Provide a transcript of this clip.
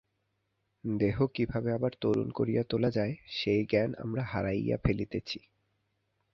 দেহ কিভাবে আবার তরুণ করিয়া তোলা যায়, সেই জ্ঞান আমরা হারাইয়া ফেলিয়াছি।